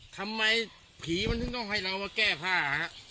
ทำไมผีมันถึงต้องให้เรามาแก้ผ้า